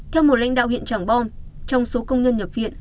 theo một lãnh đạo huyện trảng bom trong số công nhân nhập viện